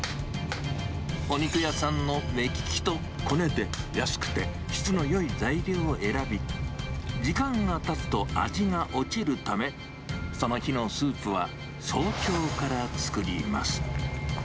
お肉屋さんの目利きとコネで、安くて質のよい材料を選び、時間がたつと味が落ちるため、その日のスープは早朝から作ります。